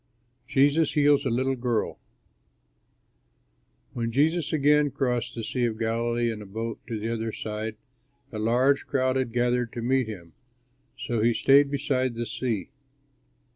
JESUS HEALS A LITTLE GIRL When Jesus again crossed the Sea of Galilee in a boat to the other side, a large crowd had gathered to meet him; so he stayed beside the sea.